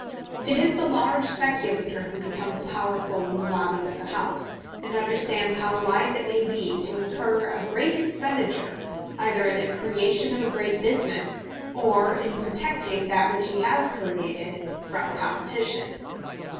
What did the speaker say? It is the large speculator who becomes powerful in the lobbies of the House, and understands how wise it may be to incur a great expenditure either in the creation of a great business, or in protecting that which he has created from competition.